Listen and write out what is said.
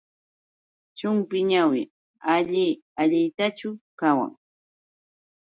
Chumpi ñawi alli allintachus qawan.